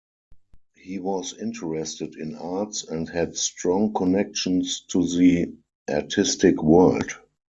He was interested in arts, and had strong connections to the artistic world.